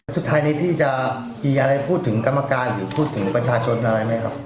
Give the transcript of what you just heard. สุดท้ายนี้พี่จะมีอะไรพูดถึงกรรมการหรือพูดถึงประชาชนอะไรไหมครับ